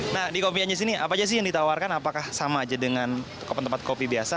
nah di kopi anjis ini apa saja sih yang ditawarkan apakah sama saja dengan tempat tempat kopi biasa